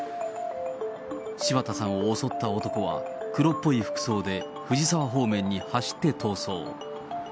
柴田さんを襲った男は、黒っぽい服装で、藤沢方面に走って逃走。